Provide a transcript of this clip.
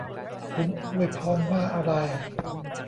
คุณอวยพรว่าอะไร